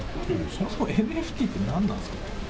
そもそもＮＦＴって何なんですか？